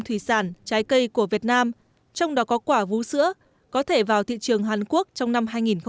thủy sản trái cây của việt nam trong đó có quả vũ sữa có thể vào thị trường hàn quốc trong năm hai nghìn một mươi tám